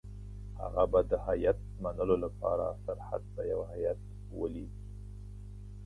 هغه به د هیات منلو لپاره سرحد ته یو هیات ولېږي.